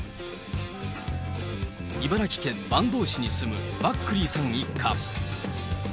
茨城県坂東市に住むバックリーさん一家。